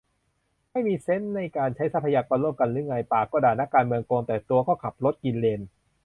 ไม่มีเซนส์ในการใช้ทรัพยากรร่วมกันหรือไง ปากก็ด่านักการเมืองโกง แต่ตัวก็ขับรถกินเลน